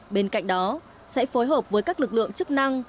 bên cạnh đó sẽ phối hợp với các lực lượng chức năng